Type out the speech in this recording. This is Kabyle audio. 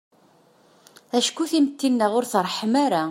Acku timetti-nneɣ ur treḥḥem ara.